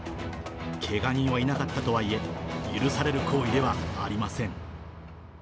けが人はいなかったとはいえ、許される行為ではありません。